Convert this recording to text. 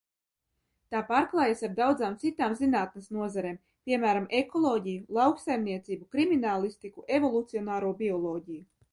Tā pārklājas ar daudzām citām zinātnes nozarēm, piemēram, ekoloģiju, lauksaimniecību, kriminālistiku, evolucionāro bioloģiju.